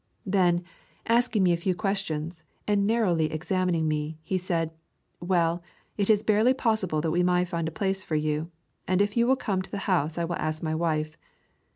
Then, asking me a few questions, and nar rowly examining me, he said, "Well, it is barely possible that we may find a place for you, and if you will come to the house I will ask my wife."